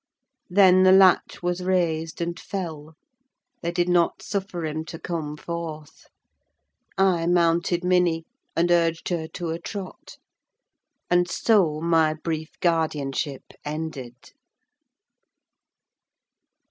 Then the latch was raised and fell: they did not suffer him to come forth. I mounted Minny, and urged her to a trot; and so my brief guardianship ended.